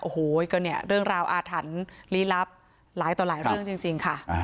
โอ้โหก็เนี่ยเรื่องราวอาถรรพ์ลี้ลับหลายต่อหลายเรื่องจริงค่ะ